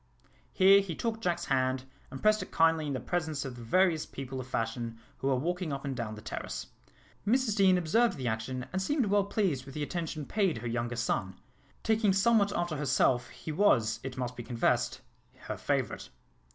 Here he took Jack's hand, and pressed it kindly in presence of the various people of fashion who were walking up and down the terrace. Mrs Deane observed the action, and seemed well pleased with the attention paid her younger son. Taking somewhat after herself, he was, it must be confessed, her favourite.